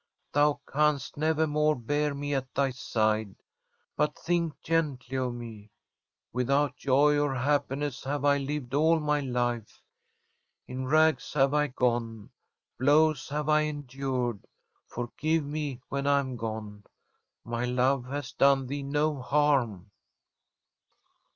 Thou canst never more bear me at thy side. But think gently of me. With out joy or happiness have I lived all my life. In rags have I gone ; blows have I endured. For give me when I am gone. My love has done thee no harm.'